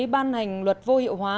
ban hành luật vô hiệu hóa